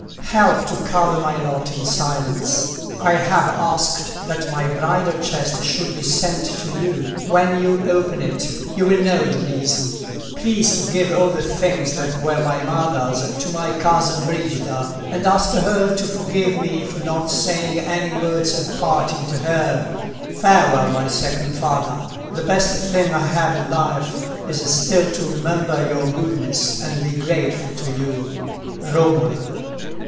Help to cover my lot in silence. I have asked that my bridal chest should be sent to you: when you open it, you will know the reason. Please to give all the things that were my mother's to my cousin Brigida, and ask her to forgive me for not saying any words of parting to her. "Farewell, my second father. The best thing I have in life is still to remember your goodness and be grateful to you. "Romola."